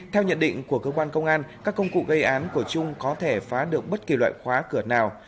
theo nhận định của cơ quan công an các công cụ gây án của trung có thể phá được bất kỳ loại khóa cửa nào